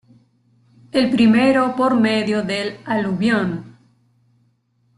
El primero por medio del aluvión.